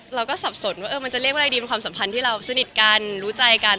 สับสนว่ามันจะเรียกว่าอะไรดีเป็นความสัมพันธ์ที่เราสนิทกันรู้ใจกัน